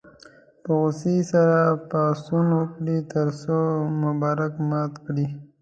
په غوسې سره پاڅون وکړ تر څو مبارک مات کړي.